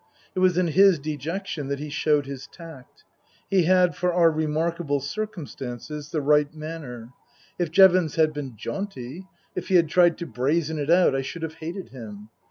It was in his dejection that he showed his tact. He had, for our remarkable circumstances, the right manner. If Jevons had been jaunty ; if he had tried to brazen it out, I should have hated him.